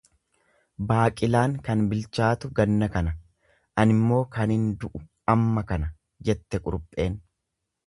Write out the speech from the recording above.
Baaqilaan kan bilchaatu ganna kana, animmoo kanan du'u amma kana jette kurupheen.